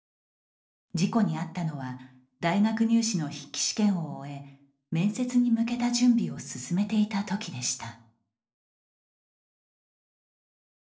事故に遭ったのは大学入試の筆記試験を終え面接に向けた準備を進めていたときでした。